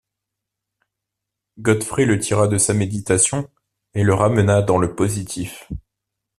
Godfrey le tira de sa méditation, et le ramena dans le positif.